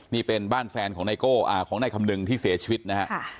นี่เป็นบ้านแฟนของนายโก้ของนายคำนึงที่เสียชีวิตนะฮะ